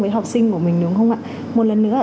với học sinh của mình đúng không ạ một lần nữa